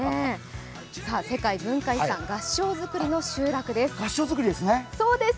世界文化遺産合掌造りの集落です。